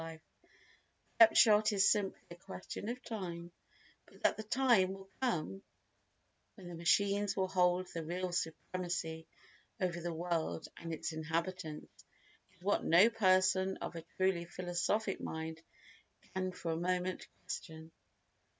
The upshot is simply a question of time, but that the time will come when the machines will hold the real supremacy over the world and its inhabitants is what no person of a truly philosophic mind can for a moment question.